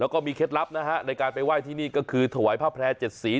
แล้วก็มีเคล็ดลับนะฮะในการไปไหว้ที่นี่ก็คือถวายผ้าแพร่๗สี